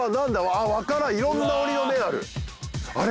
あっ分からん色んな鬼の面あるあれ？